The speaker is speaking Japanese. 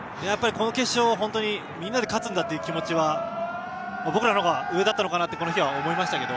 この決勝はみんなで勝つんだという気持ちが僕らのほうが上だったのかなと思いますけど。